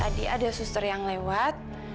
tadi ada suster yang lewat